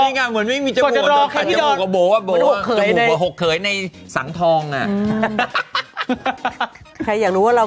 นี่ค่ะเหมือนไม่มีจมูกแบบกดจมูกกว่าโบว่าโบว่า